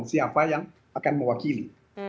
siapa yang akan mewakili